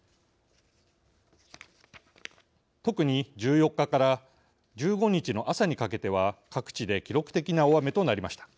特に１４日から１５日の朝にかけては各地で記録的な大雨となりました。